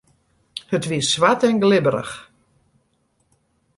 It wie swart en glibberich.